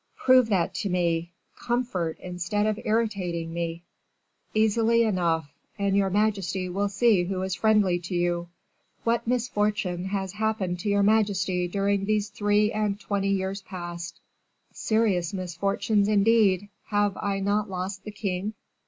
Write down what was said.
"Prove that to me! Comfort, instead of irritating me." "Easily enough, and your majesty will see who is friendly to you. What misfortune has happened to your majesty during these three and twenty years past " "Serious misfortunes, indeed; have I not lost the king?"